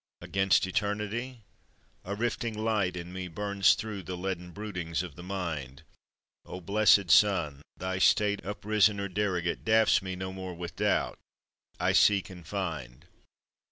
Against eternity? A rifting light in me Burns through the leaden broodings of the mind: O blessèd Sun, thy state Uprisen or derogate Dafts me no more with doubt; I seek and find.